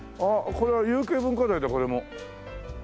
これは有形文化財だこれも。